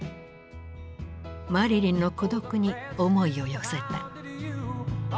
マリリンの孤独に思いを寄せた。